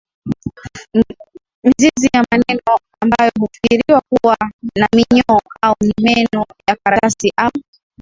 mizizi ya meno ambayo hufikiriwa kuwa na minyoo au ni meno ya karatasi au